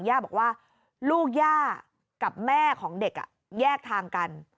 ย่าบอกว่าลูกย่ากับแม่ของเด็กแยกทางกัน